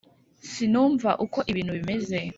sinumva uko ibintu bimeze